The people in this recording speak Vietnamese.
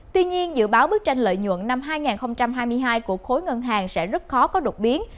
tuy nhiên dự báo bức tranh lợi nhuận năm hai nghìn hai mươi hai của khối ngân hàng sẽ rất khó có đột biến